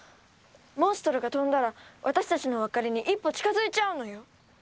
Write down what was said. モンストロが飛んだら私たちのお別れに一歩近づいちゃうのよ！